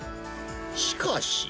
しかし。